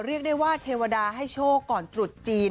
เรียกได้ว่าเทวดาให้โชคก่อนตรุษจีน